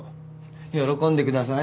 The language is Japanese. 喜んでください。